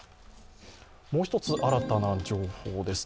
もう一つ、新たな情報です。